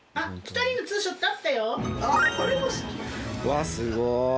わっすごい！